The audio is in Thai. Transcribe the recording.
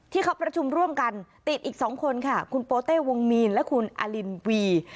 ที่เขาประชุมร่วมกันติดอีก๒คนค่ะคุณโปเต้วงมีนและคุณอลินวี